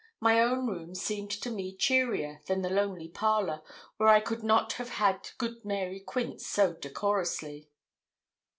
My own room seemed to me cheerier than the lonely parlour, where I could not have had good Mary Quince so decorously.